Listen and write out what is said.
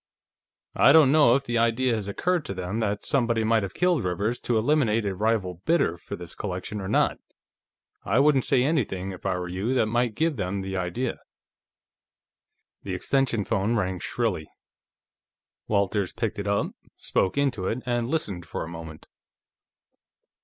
"I don't know if the idea has occurred to them that somebody might have killed Rivers to eliminate a rival bidder for the collection or not; I wouldn't say anything, if I were you, that might give them the idea." The extension phone rang shrilly. Walters picked it up, spoke into it, and listened for a moment.